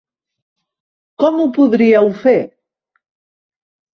Com ho podríeu fer?